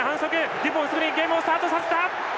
デュポン、すぐにゲームをスタートさせた！